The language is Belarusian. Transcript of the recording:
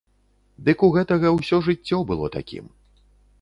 Дык у гэтага ўсё жыццё было такім.